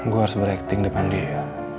gue harus berakting depan dia